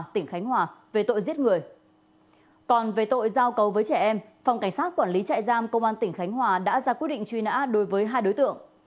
theo cầu với trẻ em phòng cảnh sát quản lý trại giam công an tỉnh khánh hòa đã ra quy định truy nã đối với hai đối tượng